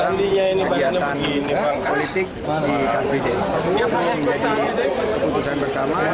ini pun menjadi keputusan bersama